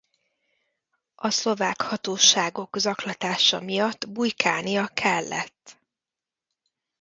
A szlovák hatóságok zaklatása miatt bujkálnia kellett.